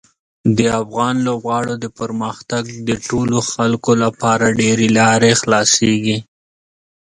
د افغان لوبغاړو د پرمختګ د ټولو خلکو لپاره ډېرې لارې خلاصیږي.